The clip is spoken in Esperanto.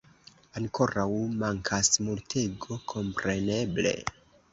Ankorau mankas multego, kompreneble.